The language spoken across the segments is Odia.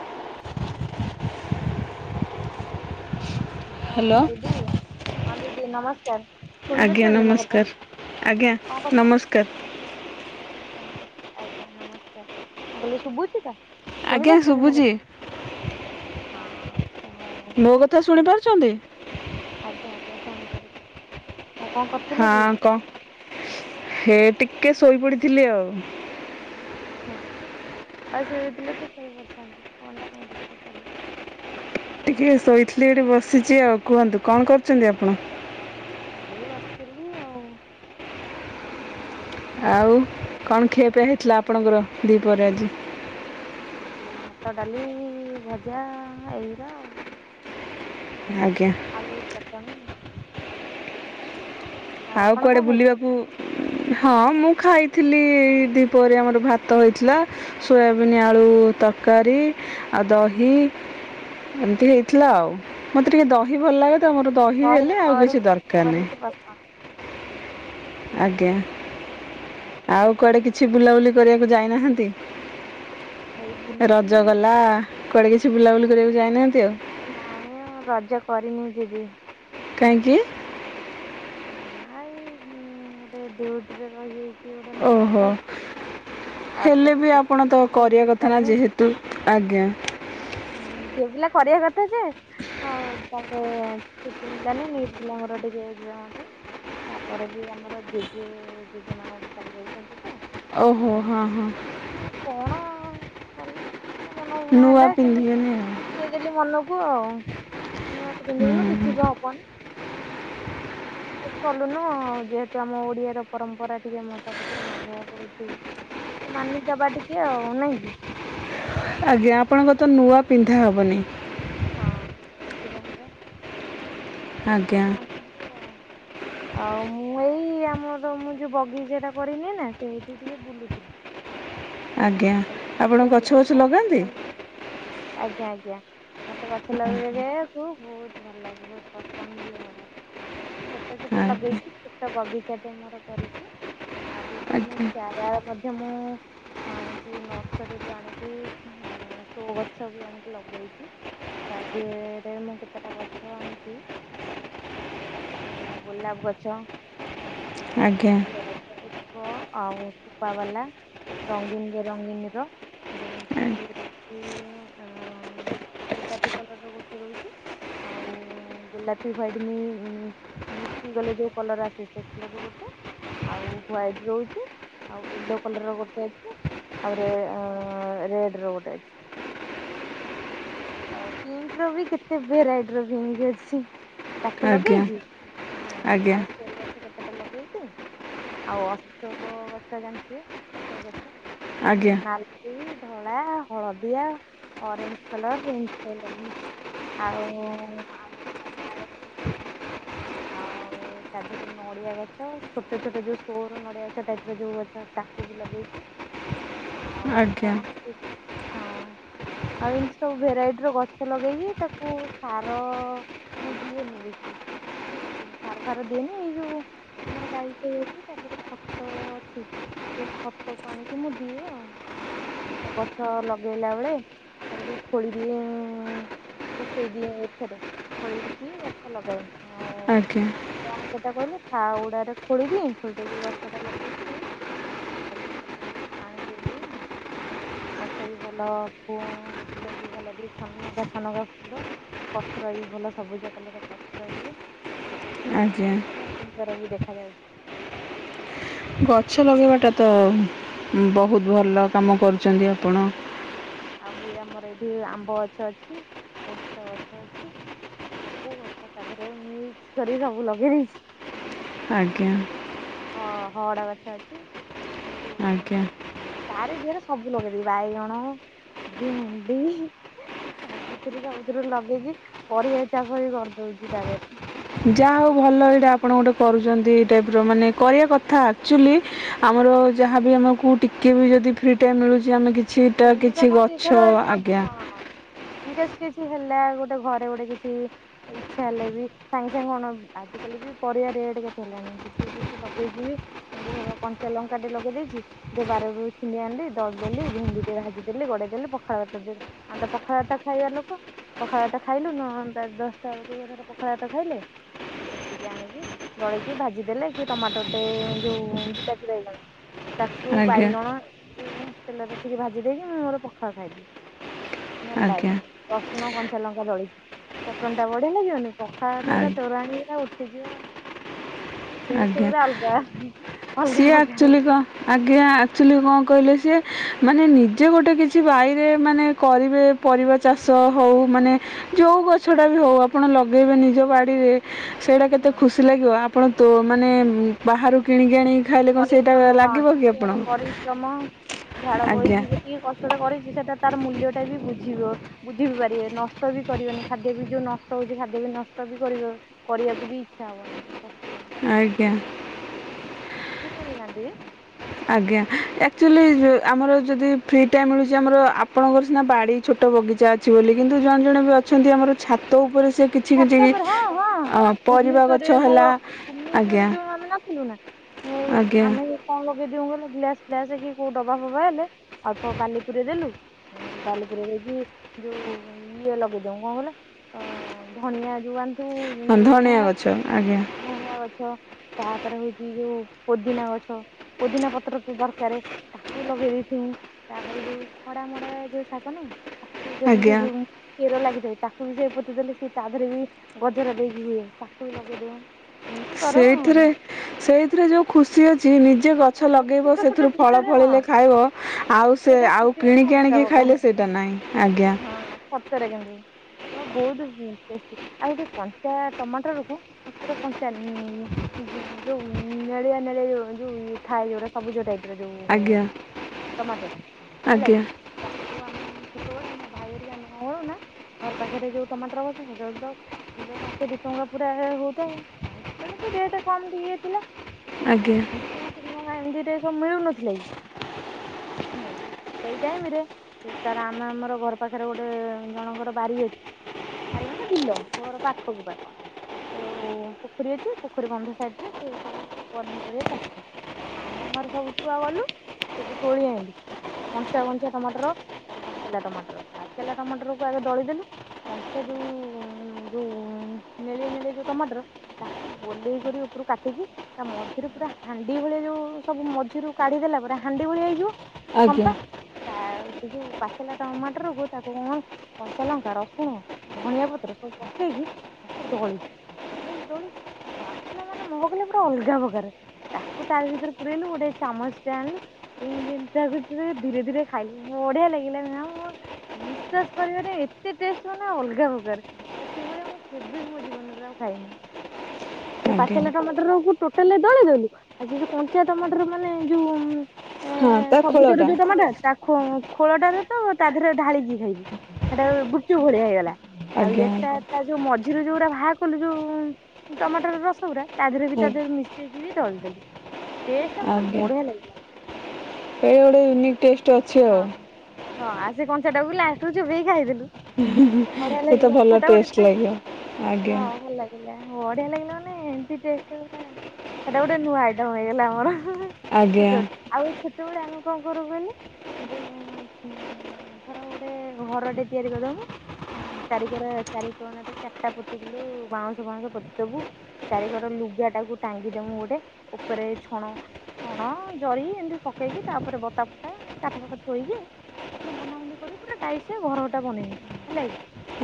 [inaudible] ହ୍ୟାଲୋ ଦିଦି ହଁ ଦିଦି ନମସ୍କାର, ଆଜ୍ଞା ଶୁଣିପାରୁଛନ୍ତି ମୋ କଥା ନମସ୍କାର ଆଜ୍ଞା କଣ ନମସ୍କାର। କରୁଛ? ଆ ଆଜ୍ଞା ନମସ୍କାର, ମୁଁ କହିଲି ଶୁଭୁଛି ତ। ଆଜ୍ଞା ଶୁଭୁଛି। ହଁହଁ। ମୋ କଥା ଶୁଣି ପାରୁଚଛନ୍ତି। [inaudible] କରୁଥିଲେ କି? ହଁ କହ ହେ ଠିକ୍। କେଏ ଶୋଇପଡିଥିଲେ ଆଉ। [unintelligible] [unintelligible] ଟିକେ ଶୋଇଥିଲି ଏଠି ବସିଛି, ଆଉ କୁହନ୍ତୁ କଣ କରୁଛନ୍ତି ଆପଣ? ଏଇ ବସିଥିଲି ଆଉ। ଆଉ। କଣ ଖିଆପିଆ ହେଇଥିଲା ଆପଣଙ୍କର? ଦୀପହରେ ଆଜି। ଏଇ ଭାତ, ଡାଲି ଭଜା ଏଇଗୁରା ଆଉ। ଆଜ୍ଞା ଆଳୁ ଚଟଣିି। ଆଉ ଆପଣ କୁଆଡେ କଣ ଖାଇଥିଲେ? ବୁଲିବାକୁ? ହଁ ମୁଁ ଖାଇଥିଲି ଦି ପହରେ ଆମର ଭାତ ହେଇଥିଲା, ସୋୟାବିିନ ଆଳୁ ତରକାରୀ ଆଉ ଦହି ଏମିତି ହେଇଥିଲା ଆଉ। ମତେ ଟିକେ ଦହି ଭଲ ଲାଗେ ତ ମୋର ଦହି ହେଲେ ଆଉ ବରି ବେଶୀ ଦରକାର ନାହିଁ। ବରି ପସନ୍ଦ। ଆଜ୍ଞା। ଆଜ୍ଞା ଆଉ କୁଆଡେ କିଛି ବୁଲାବୁଲି? ଦଉଡିବାକୁ ଯାଇନାହାନ୍ତି? ଏଇ ବୁଲୁଚି ରଜ ଗଲା କୁଆଡ଼େ କିଛି ବୁଲାବୁଲି ଅଁ କରିବାକୁ ଯାଇନାହାନ୍ତି ଆଉ ନାଇଁ ରଜ କରିନି ଦିଦି କାଇଁକି? ହଁ ଏଇ ଗୋଟେ ଡିଉଟିରେ ରହିଯାଇଛି। ସିଏ ଗୋଟେ ନୂଆ ଓହୋ ଟା ହେଲେ ବି ଆପଣ ତ କରିବା କଥା ନା ମିଳିଲାନି ଯେହେତୁ ଆଜ୍ଞା ଝିଅ ପିଲା କରିବା କ ଥା ଯେ ଆଉ ତାଙ୍କରେ ଛୁଟି ମିଳିଲାନି ନିଟ ପିଲାଙ୍କର ଟିକେ ଏକ୍ଜାମ ଅ ଛି ତାପରେ ବି ଆମର ଜେଜେ ଜେଜେ ମା ଗୋଟେ ଚାଲିଯାଇଛନ୍ତି। ଓହୋ ହଁ ହଁ ପରେ ମନ ଉଣା ନୂଆ ହେଲା କିମତି ପିନ୍ଧିବେନି ଆଉ ବୁଝେଇଦେଲି ମନକୁ ଆଉ ନୂଆ ତ ପିନ୍ଧିବୁନୁ ହୁଁ କିଛି ବି ହବନି ଡ୍ରେସ କଲୁନୁ ଆଉ ଯେହେତୁ ଆମ ଓଡିଆର ପରମ୍ପରା ଟିକେ ମୁଁ ସବୁଥିରୁ ମାନିବାକୁ ପଡୁଚୁ ତ ମାନିଦବା ଟିକେ ଆଉ, ନାଁ କି ଆଜ୍ଞା ଆପଣଙ୍କର ତ ନୂଆ ପିନ୍ଧା ହବନି ହଁ ସେଥିପାଇଁ ପା ଆଜ୍ଞା ସବୁକିଛି ମାନୁଚନ୍ତି ଆଉ ଆଉ ମୁଁ ଏଇ ଆମର ମୁଁ ଯୋଉ ବଗିଚା ଟା କରିନି ନା ସେଇଠି ଟିକେ ବୁଲୁଥିଲି। ଆଜ୍ଞା କହିଲି ଆପଣ ଦେଖିବା ଗଛ ଦିଦି ଗଛ କଣ ଲଗାନ୍ତି କରୁଚନ୍ତି। ଆଜ୍ଞା ଆଜ୍ଞା ମତେ ଗଛ ଲଗେଇ ଲେକୁ ବହୁତ ଭଲ ଲାଗେ ବହୁତ ପସନ୍ଦ ବି ମୋର ଛୋଟ ଛୋଟ ଆଜ୍ଞା ଲଗେଇଚି ଛୋଟ ବଗିଚାଟେ ମୋର କରିଚି ଆଉ ବିଭିନ୍ନ ଆଜ୍ଞା ଚାରା ମଧ୍ୟ ମୁଁ ଆଣି କି ନର୍ସରୀରୁୁ ଆଣିକି ସୋ ଗଛ ବି ଆଣିକି ଲଗେଇଚି ତା ଦିହେରେ ମୁଁ କେତେଟା ଗଛ ଆଣିଚି ଗୋଲାପ ଗଛ ଆଜ୍ଞା [inaudible] କ ଆଉ ଫପା ବାଲା ରଙ୍ଗୀନ [unintelligible] ରଙ୍ଗିନୀ ର ଯେମିତି କିି ରହୁଚି ଆଁ ଗୋଲାପି କଲର ର ଗୋଟେ ରହୁଚି ଆଉ ଗୋଲାପି ହ୍ୱାଇଟ ମି ମିଶି ଗଲେ ଯୋଉ କଲର ଆସେ ସେ କଲର ର ଗୋଟେ ଆଉ ହ୍ଵାଇଟ ରହୁଚି ଆଉ ୟେଲୋ କଲର ର ଗୋଟେ ଅଛି। ଆଉ ରେ ରେଡ ର ଗୋଟେ ଅଛି ଆଉ ପିଙ୍କ ର ବି କେତେ ଭେରାଇଟ ର ରିଙ୍ଗ ଅଛି। ତାକୁ ଆଜ୍ଞା ଲଗେଇଚି ହଁ ଆଜ୍ଞା ଆଉ ସୋ ଗଛ କେ ସେଟା ଲଗେଇଚି ଆଉ ଅଶୋକ ଗଛ ଜାଣିଥିବେ ଅଶୋକ ଗଛ ହୁଁ ଆଜ୍ଞା ନାଲି ଧଳା ହଳଦିଆ ଅରେଞ୍ଜ କଲର ଏମିତି ସବୁ ଲଗେଇଚି ଆଉ ଆମର କମଳା ଗଛ ଲଗେଇଚି ଆଉ ତା ଦେହରେ ନଡିଆ ଗଛ ଛୋଟ ଛୋଟ ଯୋଉ ସୋର ନଡିଆ ଗଛ ଟାଇପ ର ଯୋଉ ଗଛ ତାକୁ ବି ଲଗେଇଚି। ଆଜ୍ଞା ହଁ ଆଉ ଏ ମିତି ସବୁ ଭେରାଇଟିର ଗଛ ଲଗେଇଚି ତାକୁ ସାର ମୁଁ ଦିଏନି ବେଶୀ ଠିକ ଅଛି ସାର ଫାର ଦିଏନି ଏଇ ଯୋଉ ଆମର ଗାଈ ଫାଇ ଅଛି ତା ଦେହରେ ଖତ ଅଛି ସେଇ ଖତ କ ଆଣିକି ମୁଁ ଦିଏ ଆଉ ଗଛ ଲଗେଇଲା ବେଳେ ତାକୁ ଟିକେ ଖୋଳି ଦିଏ କୁଷେଇ ଦିଏ ଏଥେରେ ଖୋଳିକି ଗଛ ଲଗାଏ। ଆଉ ଆଜ୍ଞା କଣ ସେଟା କହିଲେ? ଫାଉଡ଼ରେ ଖୋଳିଦିଏ ଖୋଳି ଦେଇକି ଗଛ ଟା ଲଗେଇକି [unintelligible] ପାଣି ଦେଇଦିଏ ଆଉ ଗଛ ବି ଭଲ ଫୁଲ ବି ଭଲ ଦିଏ ଛନକାା ଛନକାା ଫୁଲ ପତ୍ର ବି ଭଲ ସବୁଜ କଲର ପତ୍ର ହୁଏ। ଆଜ୍ଞା ବହୁତ ସୁନ୍ଦର ବି ଦେ [unintelligible] ଗଛ ଲଗେଇବାଟା ତ ବହୁତ ଭଲ ହଁ। କାମ କରୁଛନ୍ତି ଆଉ ଆପଣ ଆଉ ବି ଆମର ଏଠି ଆମ୍ବ ଗଛ ଅଛି, ଓସ୍ତ ଗଛ ଅଛି ସବୁ ଗଛ ତା ଦେହରେ ମିକ୍ସ କରି ସବୁ ଲଗେଇ ଦେଇେଇଛି। ଆଜ୍ଞା। ହଁ ହଅଡା ଗଛ ଅଛି। ଆଜ୍ଞା [unintelligible] ତାରି ଦିହରେ ସବୁ ସବୁ ଲଗେଇଦବି ବାଇଗଣ, ଭେଣ୍ଡି ସବୁଥିରୁ ସବୁଥିରୁ ଲଗେଇକି ପରିବା ଚାଷ ବି କରିଦଉଛି ତା ଦେହରେ। ଯାହା ହଉ ଭଲ ଏଇଟା ଆପଣ ଗୋଟେ କରୁଛନ୍ତି ଏ ଟାଇପ ର ମାନେ କରିବା କଥା ଆକ୍ଚୁଆଲି ଆମର ଯାହାବି ଆମକୁ ଟିକେ ବି ଯଦି ଫ୍ରି ଟାଇମ ମିଳୁଛି ଆମେ କି ଛିଟା ଭେଣ୍ଡି ଟା କିଛି କଣ ଗଛ ଆଜ୍ଞା ଯସ୍ଟ କିଛି ହେଲା ଗୋଟେ ଘରେ ଗୋଟେ କିଛି ଇଛା ହେଲେ ବି ସାଙ୍ଗେ ସାଙ୍ଗେ କଣ ଆଜିକାଲି ବି ପରିବା ରେଟ କେତେ ହେଲାଣି କିଛି କିଛି ଲଗେଇକି ବି ଏମିତି ଧର କଞ୍ଚା ଲଙ୍କା ଟେ ଲଗେଇ ଦେଇେଇଛି ଟିକେ ବାରରୁ ଛିଡି ଆଣିଲି ଦଳି ଦେଲି ଭେଣ୍ଡି ଟିକେ ଭାଜି ଦେଲେ ଗୋଡେଇ ଦେଲେ ପଖାଳ ଭାତ ଆମ ତ ପଖାଳ ଭାତ ଖାଇବା ଲୋକ ପଖାଳ ଭାତ ଖାଇଲୁ ନ ଦଶଟା ବେଳକୁ ପଖାଳ ଭାତ ଖାଇଲେ ସେଥିରୁ ଟିକେ ଆଣିକି ଦଳିକି ଭାଜି ଦେଲେ କି ଟମାଟୋ ଟେ ଯୋଉ ବିଲାତିବାଇଗଣ ତାକୁ ଆଜ୍ଞା ବାଇଗଣ ଏକୁ ହେଲାରେ ଟିକେ ଭାଜି ଦେଇକି ମୁଁ ମୋର ପଖାଳ ଖାଇଦିଏ। ଭଲ ଆଜ୍ଞା ଲାଗେ [unintelligible] ଲୁଣ କଞ୍ଚା ଲଙ୍କା ଦଳିଛି ଚଟଣି ଟା ବଢିଆ ଲାଗିବନି ପଖାଳ ଭାତ ଆ କୁ ପୁରା ତୋରାଣ ଉଠିଯିବ। ଟେଷ୍ଟ ଆଜ୍ଞା ପୁରା ଅଲଗା। ଅଲଗା ସିଏ ପ୍ରକାର। ହୁଁ ଆକ୍ଚୁଲି କଣ ଆଜ୍ଞା ଆଚୁଲି କଣ? କହିଲେ ସି ମାନେ ନିଜେ ଗୋଟେ କିଛି ବାଇରେ ମାନେ କରିବେ ପରିବା ଚାଷ ହଉ ମାନେ ଯୋଉ ଗଛ ଟା ବି ହଉ ଆପଣ ଲଗେଇବେ ନିଜ ବାଡିରେ ସେଇଟା କେତେ ହଁ। ଖୁସି ଲାଗିବ ଆପଣ ତୋ ମାନେ ବାହାରୁ କିଣିକି ଆଣିକି ଖାଇଲେ କ'ଣ ସେଇଟା ପରିଶ୍ରମ ହଁ ଲାଗିବ କି ଦିହର ଆପଣଙ୍କୁ ପରିଶ୍ରମ ଝାଳ ଆଜ୍ଞା ବୋହିକି ଯେତିକି କଷ୍ଟଟ କରି ସେଟା ତାର ମୂଲ୍ୟ ଟା ବି ବୁଝିବ ବୁଝିବିି ପାରିବେ ନଷ୍ଟ ବି କରିବନି ଖାଦ୍ୟ ବି ଯୋଉ ନଷ୍ଟ ହଉଛି ଖାଦ୍ୟ ବି ନଷ୍ଟ ବି କରିବ କରିବାକୁ ବି ଇଚ୍ଛା ହବନି। ଲାଗିବ ଆଜ୍ଞା। ଠିକ୍ କହିଲି ନା ଦିଦି ଆଜ୍ଞା ଆକ୍ଚୁଆଲି ଆମର ଯଦି ଫ୍ରି ଟାଇମ୍ ମିଳୁଛି ଆମର ଆପଣଙ୍କର ସିନା ବାଡ଼ି ଛୋଟ ବଗିଚା ଅଛି ବୋଲି କିନ୍ତୁ ଜଣେ ଜଣେ ବି ଅଛନ୍ତି ଆମର ଛାତ ଉପରେ ସେ କିଛି କିଛି ଛାତ ଉପରେ ହଁ ହଁ ପରିବା ଭୁବନେଶ୍ଵରରେ ଗଛ ମୋ ହେଲା ଭୁବନେଶ୍ଵରରେ ଆଜ୍ଞା। ଯୋଉ ଆମେ ନଥିଲୁ ନା ଆଜ୍ଞା ଆମେ ଯେ କଣ ଲ ଦିଦୀ କନ୍ କହିଲ ଗ୍ଲାସ ଫ୍ଲାସ କି କୋଉ ଡବା ଫବାହେଲେ ଅଳ୍ପ ବାଲିପୁରେଇ ଦେଲୁ ବାଲିପୁରେଇ ଦେଇକି ଯୋଉ ଇଏ ଲଗେଇଦଉ କଣ କହିଲେ ଏଁ ଧନିଆ ଯେଉ ଆଣି ହଁ ଧନିଆ ଗଛ ଆଜ୍ଞା।। ଧଣିଆ ଗଛ ତାପରେ ହଉଛି ଯୋଉ ପୋଦିନା ଗଛ ପୋଦିନା ପତ୍ର ତ ଦରକାର ତାକୁ ଲଗେଇ ଦେଇଥଉ ତାପରେ ଯୋଉ ଖଡା ମଡା ଯୋଉ ଶାଗ ନାଇଁ ତାକୁ ଯଦି ସେ ଆଜ୍ଞା ଯୋଉ କ୍ଷୀର ଲାଗି ତାକୁ ବି ସେ ପତି ଦେଲେ ସେ ତା ଦେହରେ ବି ଗଜରା ଦେଇକି ହୁଏ ତାକୁ ବି ଲଗେଇ ଦବ ସେଇଥିରେ ସେଇଥିରେ ଯୋଉ ଖୁସି ଅଛି ନିଜ ଯେ ଗଛ ହଁ ଲଗେଇବ ଛୋଟ ଛୋଟ ସେଥିରୁ ଫଳ ଜିନିଷରେ ହଁ ଫଳିଲେ ଖାଇବ ଆଉ ସେ ସେଇଟା ଆଉ ଖୁସି ମାନେ କିଣିକି ଅଲଗା ଆଣିକି ପ୍ରକାର। ଖାଇଲେ ସେଇଟା ନାହିଁ ଆଜ୍ଞା। ହଁ କିନ୍ତୁ ବହୁତ ଟେଷ୍ଟି ଆଉ ଗୋଟେ କଞ୍ଚା ଟମାଟର ରକୁ ପୁରା କଞ୍ଚା ଯୋଉ ନେଳିଆ ନେଳିଆ ଯୋଉ ଇଏ ଥାଏ ଯୋଟା ସବୁଜ ଟାଇପ୍ ର ଯୋଉ ଆଜ୍ଞା ଟମାଟର ହେଲା କି ଆଜ୍ଞା ତାକୁ ଆମେ ସେତେବେଳେ ଆମ ଭାଇ ହେରିକି ଆମେ କଣ କଳୁ ନା ଘର ପାଖରେ ଯୋଉ ଟମାଟର ଗଛ ସେଟବେ ତ କିଲୋ ଟଙ୍କେ ଦି ଟଙ୍କା ପୁରା ହଉଥାଏ। ଆଉ ସେତେବେଳେ ରେଟ କମ ଟିକେ ଥିଲା। ଆଜ୍ଞା ଏମତି ସବୁ ମିଳୁନଥିଲା କି ହୁଁ। ସେଇ ଟାଇମ ରେ ତାର ଆମେ ଆମର ଘର ପାଖରେ ଗୋଟେ ଜଣଙ୍କର ବାରି ଅଛି ବାରି ମାନେ ବିଲ ଘର ପାଖକୁ ପାଖ ସେ ଯଉ ପୋଖରୀ ଅଛି ପୋଖରୀ ବନ୍ଧ ସାଇଡ ରେ ସେ ସବୁ ପନିପରିବା ଚାଷ କ ଆମେ ଆମର ସବୁ ଛୁଆ ଗଲୁ ସେଠୁ ତୋଳି ଆଣିଲି କଂଞ୍ଚା କଞ୍ଚିା ଟମାଟର ତାର ପାଚଲାା ଟମାଟର ପାଚଲାା ଟମାଟରକୁ ଆଗେ ଦଳିଦେଲୁ କଂସଆ ଯୋଉ ଯୋଉ ନେଳିଆ ନେଳିଆ ଯୋଉ ଟମାଟର ତାକୁ ଗୋଲେଇ କରି ଉପରୁ କାଟିକି ତା ମଝିରେ ପୁରା ହାଣ୍ଡି ହାଣ୍ଡି ଭଳିଆ ଯୋ ସବୁ ମଝିରୁ କାଢିଦେଲା ପରେ ହାଣ୍ଡି ଭଳିଆ ହେଇଯିବ। ଆଜ୍ଞା ଫମ୍ପା ସେ ଯୋଉ ପାଚିଲା ଟମାଟର ହୁ ତାକୁ କଣ କଞ୍ଚା ଲଙ୍କା ରସୁଣ ଧନିଆ ପତ୍ର ସବୁ ପକେଇକି ତାକୁ ଦଳିଲି ଦୋଳିଲେ ଦୋଳି ବାସ୍ନା ମାନେ ମହ କଲେ ପୁରା ଅଲଗା ପ୍ରକାର ତା ତ ଭିତରେ ପୁରାଇଲୁ ଗୋଟେ ଚାମଚ ଟେ ଆଣିଲୁ ଏମିତିତି ଧୀରେ ଧୀରେ ଖାଇଲୁ ବଢିଆ ଲାଗିଲା ବିଶ୍ୱାସ କରିବନି ଏତେ ଟଷ୍ଟ ଅଲଗା ପ୍ରକାର ଆଉ ସେଇଭଳିଆ ମୁଁ କେବେ ବି ମୋ ଜୀବନରେ ଆଉ ଖାଇନି। ସେ ଆଜ୍ଞା ପାଚଲା ଟମାଟ ର କୁ ଟ୍ରୋ ତା ହେଲେ ଦଳି ଦେଲୁ। ଆଉ ସେ ଯୋଉ କଞ୍ଚା ଟମାଟର ମାନେ ଯୋଉ ଏ ହଁ ତା ସବୁଜ ର ଖୋଳଟା ଯୋଉ ଟମାଟୋ ତା ଖୁ ଖୋଳଟାାରେ ତ ତା ଦେହରେ ଢାଳିକି ଖାଇବୁ ସେଟା ଗୁଚୁ ଭଳିଆ ହେଇଗଲା। ଆଉ ଆଜ୍ଞା ଏଟା ଆଜ୍ଞା ତା ଯୋଉ ମଝିରେ ଯୋଉଗଡା ବାହା କଲୁ ଯୋଉ ଟମାଟୋର ରସ ଗୁରା ତା ଦେହ ବି ତା ଦେହରେ ମିଶେଇକି ବି ଦଳିଦେଲି। ଡେସ୍ ଟା ମାନେ ଆଜ୍ଞା ବଢିଆ ଲାଗିଲା। ଏଇ ଗୋଟେୟୁନିକ୍ ଟେଷ୍ଟ ଅଛି ଆଉ। ହଁ। ହଁ ଆ ସେ କଞ୍ଚାଟାକୁ ଲାଷ୍ଟରୁ ଚୋବେଇକି ଖାଇଦେଲୁ। ବଢିଆ ସେ ତ ଲାଗିଲା ଭଲ ସେଟା ଟେଷ୍ଟ ଲାଗିବ ଆଜ୍ଞା। ବଢ଼ିଆ ଲାଗିଲା ମାନେ ଏମତି ଟେଷ୍ଟ ଗୋଟେ ସେଟା ଗୋଟେ ନୂଆ ହୋଇଗଲା ଆମର। ହଁ ଆଜ୍ଞା ଛୋଟ ଆଉ ଛୋଟବେଳେ ଆମ କଣ କରୁ କଇଲେ ଯୋଉ ଉ ଧର ଗୋଟେ ଘରଟେ ତିଆରି କରିଦମୁଁ ଚାରିକର ଚାରିକଣ ରେ ଚାରିଟା ପୋତି କିଲି ବାଉଁଶ ବାଉଁଶ ପୋତି ଦବୁ ଚାରିକର ଲୁଗା ଟାକୁ ଟାଙ୍ଗି ଦମୁଁ ଗୋଟେ। ଉପରେ ଛଣ ଛଣ ଜରି ଏମିତି ପକେଇକି ତାପରେ ବତା ଫତା କାଠ ଫାଟ ଥୋଇକି ମାନେ ବନ୍ଧା ବନ୍ଧି କରିକି ପୁରା ଟାଇସ ଘରଟା ବନେଇମୁଁ ହେଲା କି।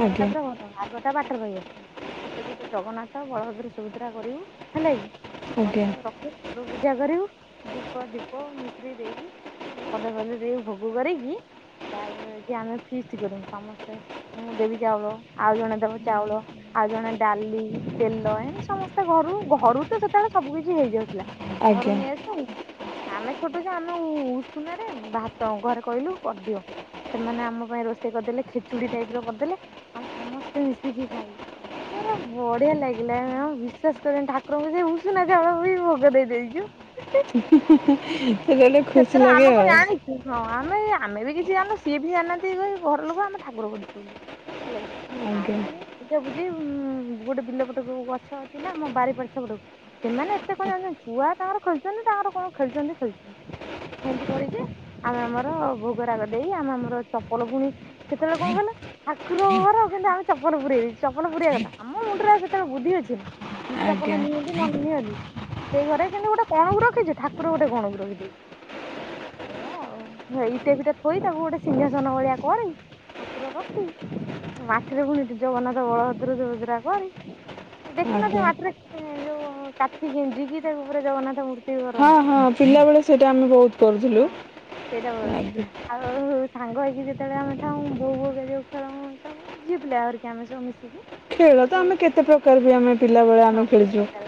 ଘରଟା ଆଜ୍ଞା ପୁରା ଘର ଆଗ ଟା ବାଟରେ ରହିବ ଛୋଟ ଛୋଟ ଜଗନ୍ନାଥ ବଳଭଦ୍ର ସୁଭଦ୍ରା କରିବୁ ହେଲେ କି। କରିକି ଆଜ୍ଞା ତାକୁ ର ଠାକୁର ପୂଜା କରିବୁ ଦୀପ ଦୀପ ମିଶ୍ରି ଦେଇକି କଦଳୀ ଫଦଳୀ ଦେଇକି ଭୋଗ କରିକି ତାପରେ ଆମେ ଫିଷ୍ଟ କରିମୁ ସମସ୍ତେ ମୁଁ ଦେବି ଚାଉଳ ଆଉ ଜଣେ ଦେବ ଚାଉଳ ଆଉ ଜଣେ ଡାଲି ତେଲ ଏମିତି ସମସ୍ତେ ଘରୁ ଘରୁ ତ ସେତେବେଳେ ସବୁ କିଛି ହେଇଯାଉ ହେଲା। ଘରୁ ଆଜ୍ଞା ନେଇଆସୁ। ଆମେ ଛୋଟଛୁଆ ଆମେ ଉଷୁନାରେ ଭାତ ଘରେ କଇଲୁ କରିଦିଅ। ସେମାନେ ଆମ ପାଇଁ ରୋଷେଇ କରିଦେଲେ ଖେଚୁଡି ଟାଇପର କରିଦେଲେ ଆଉ ସମସ୍ତେ ମିଶିକି ଖାଇଲୁ ପୁରା ବଢିଆ ଲାଗିଲା ମ୍ୟାମ୍ ବିଶ୍ୱାସ କରିବନି ଠାକୁରଙ୍କୁ ସେ ଉଷୁନା ଚାଉଳ ବି ଭୋ ଗ ଦେଇଦେଇଚୁ। ହେଲେ ଖୁସି ଲାଗେ ଆମେ କଣ ଆଉ। ଜାଣିଛୁ ହଁ ଆମେ ଆମେ ବି କିଛି ଜାଣିନୁ ସିଏ ବି ଜାଣିନାହାନ୍ତି ଘର ଲୋକ ଆମେ ଠାକୁର ପୂଜିଛୁ ଛୁ ବୋଲି ହେଲା ଆଜ୍ଞା କିି। [unintelligible] ଜି ଗୋଟେ ବିଲ ପଟକୁ ଗଛ ଅଛି ନା ଆମ ବାରିପଛ ପଟକୁ, ସେମାନେ ଏତେ କଣ ଜାଣିଚନ୍ତି। ଛୁଆ ତାଙ୍କର ଖେଳୁଚନ୍ତି ତାଙ୍କର କଣ ଖେଳୁଚନ୍ତି ଖେଳୁଚନ୍ତି ଏମିତି କରିକି ଆମେ ଆମର ଭୋଗରାଗ ଦେଇ ଆମେ ଆମର ଚପଲ ପୁଣି ସେତେବେଳେ କଣ କହିଲ ଠାକୁରଘର କିନ୍ତୁ ଆମେ ଚପଲ ପୁରେଇ ଦେଇ ଚପଲ ପୁରେଇବା କଥା ଆମ ମୁଣ୍ଡରେଉ ସେତେବେଳେ ବୁଦ୍ଧି ଅଛି ନା। ଚପଲ ଆଜ୍ଞା ନିଅନ୍ତି ନନିଅବି। ସେଇ ଘରେ କିନ୍ତୁ ଗୋଟେ କଣକୁ ରଖିଛୁ। ଠାକୁର ଗୋଟେ କଣକୁ ରଖିଦେଇ। ଏଇଆ ଆଉ ଇଟା ଫିଟା ଥୋଇ ତାକୁ ଗୋଟେ ସିଂହାସନ ଭଳିଆ କରି ଠାକୁର ରଖି ମାଟିରେ ପୁଣି ଜଗନ୍ନାଥ, ବଳଭଦ୍ର, ସୁଭଦ୍ରା କରି। ଦେଖିନଥିବ ଆଜ୍ଞା ମାଟିରେ ଯୋଉ କାଠି ଗେଞ୍ଜିକି ତାକୁ ପୁରା ଜଗନ୍ନାଥ ମୂର୍ତ୍ତି ହଁ କରନ୍ତି। ହଁ ପିଲାବେଳେ ସେଇଟା ଆମେ ବହୁତ କରୁଥୁଲୁ ହଁ। ସେଇଟା ଆ ଆଉ ସାଙ୍ଗ ହେଇକି ଯେତେବେଳେ ଆମେ ଥାଉ ବୋଉ ବୋଉକା ଯୋଉ ଖେଳୁ ସବୁ ଝିଅପିଲା ହେରିକା ଆମେ ସବୁ ମିଶିକି। ଖେଳ ତ ହୁଁ। ଆମେ କେତେ ପ୍ରକାରର ବି ଆମେ ପିଲାବେଳେ ହଁ ଆମେ ବହୁତ ଖେଳିଚୁ ପ୍ରକାର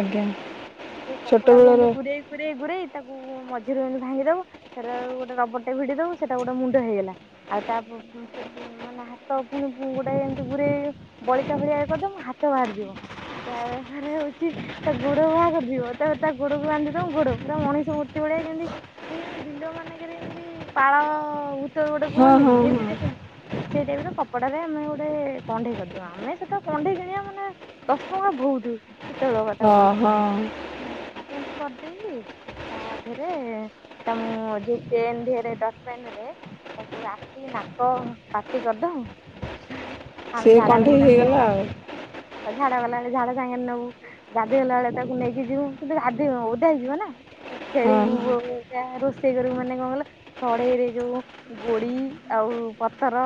ଆଜ୍ଞା। ହଁ ସେ କପଡାକୁ ଛୋଟବେଳର ଏମିତି ଗୁରେଇ ଗୁରେଇ ଗୁରେଇ ତାକୁ ମଝିରେ ଏମିତି ଭାଙ୍ଗି ଦବ ସେଟାକୁ ଗୋଟେ ରବରଟେ ଭିଡି ଦବୁ ସେଟା ଗୋଟେ ମୁଣ୍ଡ ହେଇଗଲା। ଆଉ ତା ପେ -ମାନେ ହାତ ପୁଣି ଗୋଟେ ଏମିତି ଗୁରେ଼ଇ ବଳିତା ଭଳିଆ ଇଏ କରିଦମୁଁ ହାତ ବାହାରିଯିବ। ତାପରେ ହଉଛି ତା ଗୋଡ ବାହାର କରି ଯିବ ତାପରେ ତା ଗୋଡକୁ ବାନ୍ଧିଦମୁଁ ଗୋଡ ପୁରା ମଣିଷ ମୂର୍ତ୍ତି ଭଳିଆ ଯେମତି ଦେଖ ବିଲ ମାନଙ୍କରେ ଯେମିତି ପାଳଭୂ ତ ଗୋଟେ ହଁ ହଁ କୁହନ୍ତିନି ଯେମିତି ଦେଖେ ହଁ ସେଇ ଟାଇପରେ କପଡାରେ ଆମେ ଗୋଟେ କଣ୍ଢେଇ କରିଦଉ। ଆମେ ସେ ଟାଇମରେ କଣ୍ଢେଇ କିଣିବା ମାନେ ଦଶ ଟଙ୍କା ଭଉତୁ। ସେତେବେଳ କଥା ହଁ କୋହୁ ହଁ। କରିଦେଇକି ତା ଦେହରେ ତା ପେନ ଦିହରେ ଡଟ୍ ପେନରେ ତାକୁ ଆଖି, ନାକ, ପାଟି କରିଦବୁ। ସିଏ କଣ୍ଢେଇ ହେଇଗଲା ଆଉ। ଝାଡା ଗଲାବେଳେ ଝାଡା ସାଙ୍ଗରେ ନବୁ ଗାଧୋଇ ଗଲା ବେଳେ ତାକୁ ନେଇକି ଯିବୁ କିନ୍ତୁ ଗାଧୋଇବନି ଓଦା ହେଇଯିବ ନା। ହଁ ଖେଳିିବୁ ହଁ ବୋଉ ବୋଉକା ରୋଷ ରୋଷେଇ କରିବୁ ମାନେ କଣ କହିଲ ସଢେଇରେ ଯୋଉ ଗୋଡି ଆଉ ପତର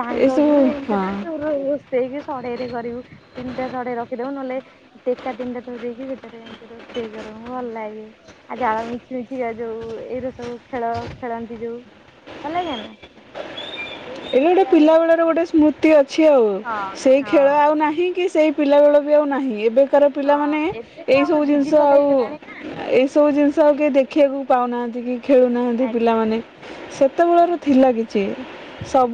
ଡାଙ୍ଗକୁ ଏସବୁ ହଁ ଏମତିରେ ସବୁ ରୋଷେଇକି ସଢେଇରେ କରିବୁ ତିନଟା ସଢେଇ ରଖିଦବୁ ନହେଲେ ଟେକା ତିନିଟା ତ ଦେଇକି ସେଥିରେ ଏମିତି ରୋଷେଇ କରୁ, ଭଲ ଲାଗେ ଆଉ ଜାଳ ମିଛି ମିଛିକା ଯୋଉ ଏଇ ସବୁ ଖେଳ ଖେଳନ୍ତି ଯୋଉ ଭଲ ଲାଗେ ନା? ଏଇ ଏଇଟା ଗୋଟେ ସ୍ମୃତି ଆଉ ପିଲା ଏବେ ବେଳର କାଇଁ। ଗୋଟେ ସ୍ମୃତି ଅଛି ଆଉ ହଁ ସେଇ ହଁ ଖେଳ ଆଉ ନାହିଁ କି ସେଇ ପିଲା ବେଳ ବି ଆଉ ନାହିଁ ଏବେ କାର ହଁ ପିଲାମାନେ ଏବେ ତ ଏଇ ଆଉ ସବୁ ଜିନିଷ ଡିଜିଟାଲ ଆଉ ହେଇଗଲାଣି ନା। ଏଇ ସବୁ ଜିନିଷ ଆଉ କେହି ଡିଜିଟାଲ ହେଇଗଲା। ଦେଖିବାକୁ ପାଉନାହାନ୍ତି କି ଖେଳୁନାହାନ୍ତି ଆଜ୍ଞା ପିଲାମାନେ ହଁ। ସେତେବେଳର ଥିଲା କିଛି। ସବୁ